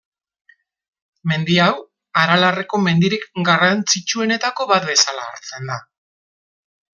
Mendi hau, Aralarreko mendirik garrantzitsuenetako bat bezala hartzen da.